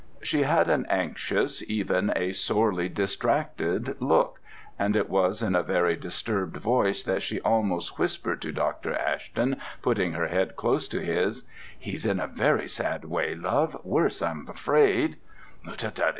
She had an anxious, even a sorely distracted, look, and it was in a very disturbed voice that she almost whispered to Dr. Ashton, putting her head close to his, "He's in a very sad way, love, worse, I'm afraid."